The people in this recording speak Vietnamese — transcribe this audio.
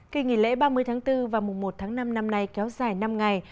kỳ nghỉ lễ ba mươi tháng bốn và mùa một tháng năm năm nay kéo dài năm ngày